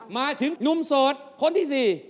มาถึงหนุ่มโสดคนที่๔